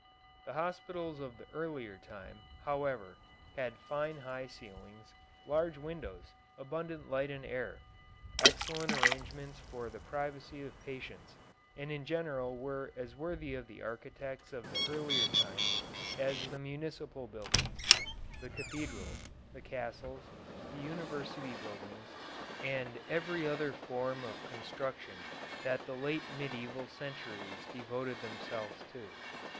The hospitals of the earlier time, however, had fine high ceilings, large windows, abundant light and air, excellent arrangements for the privacy of patients, and in general were as worthy of the architects of the earlier times as the municipal buildings, the cathedrals, the castles, the university buildings, and every other form of construction that the late medieval centuries devoted themselves to.